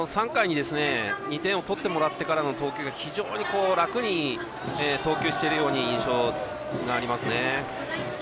３回に２点を取ってもらってからの投球が非常に楽に投球している印象がありますね。